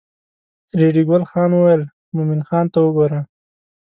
ریډي ګل خان وویل مومن خان ته وګوره.